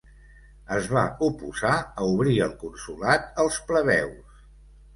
Es va oposar a obrir el consolat als plebeus.